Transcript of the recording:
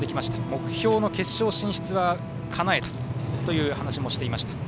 目標の決勝進出はかなえたという話もしていました。